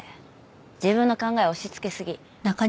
自分の考えを押しつけすぎ。